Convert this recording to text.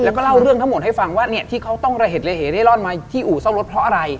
แล้วก็เล่าเรื่องทั้งหมดให้ฟังว่าเนี่ยที่เขาต้องระเหตุระเหเร่ร่อนมาที่อู่ซ่อมรถเพราะอะไร